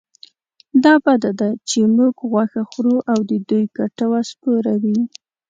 دا بده ده چې موږ غوښه خورو او د دوی کټوه سپوره وي.